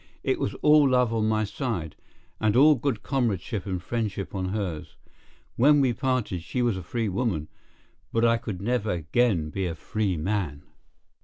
It was all love on my side, and all good comradeship and friendship on hers. When we parted she was a free woman, but I could never again be a free man.